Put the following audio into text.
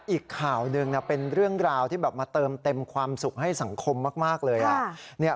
อีกข่าวหนึ่งเป็นเรื่องราวที่แบบมาเติมเต็มความสุขให้สังคมมากเลย